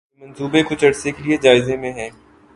یہ منصوبہ کچھ عرصہ کے لیے جائزے میں ہے